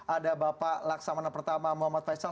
ada bapak laksamana i muhammad faisal